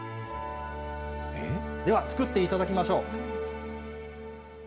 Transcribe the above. では、作っていただきましょう。